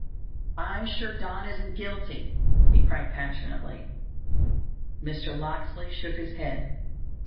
"I'm sure Don isn't guilty!" he cried passionately. Mr. Locksley shook his head.